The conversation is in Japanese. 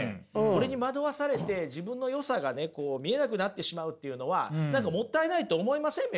これに惑わされて自分のよさが見えなくなってしまうっていうのは何かもったいないと思いません？